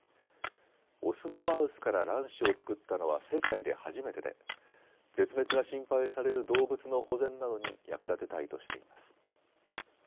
オスのマウスから卵子を作ったのは世界で初めてで絶滅が心配される動物の保全などに役立てたいとしています。